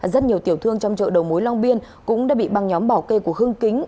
rất nhiều tiểu thương trong chợ đầu mối long biên cũng đã bị băng nhóm bảo kê của hưng kính